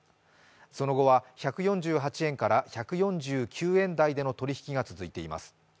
その後は１４８円から１４９円台での取引が続いています。